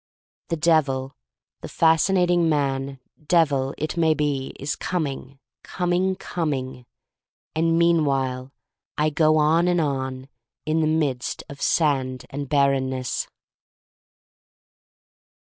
The Devil — the fascinating man devil — it may be, is coming, coming, coming. And meanwhile I go on and on, in the midst of sand and barrenness.